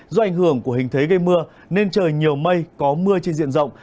do ảnh hưởng của hình thế gây mưa nên trời nhiều mây có mưa trên diện rộng